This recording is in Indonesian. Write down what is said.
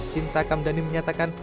sinta kamdhani menyatakan